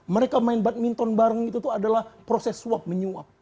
mereka main badminton bareng itu tuh adalah proses suap menyuap